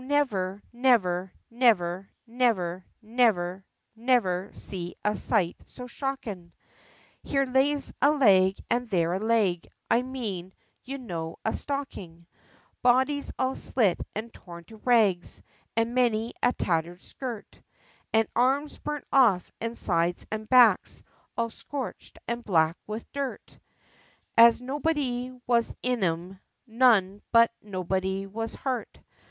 I never, never, never, never, never, see a sight so shockin; Here lays a leg, and there a leg I mean, you know, a stocking Bodies all slit and torn to rags, and many a tattered skirt, And arms burnt off, and sides and backs all scotched and black with dirt; But as nobody was in 'em none but nobody was hurt!